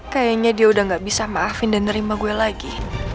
kayaknya dia udah gak bisa maafin dan nerima gue lagi